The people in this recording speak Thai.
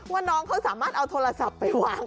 น้องเขาสามารถเอาโทรศัพท์ไปวาง